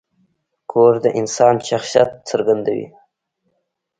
کور د انسان شخصیت څرګندوي.